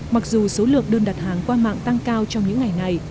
mặc dù số lượng đơn đặt hàng qua mạng tăng cao trong những ngày này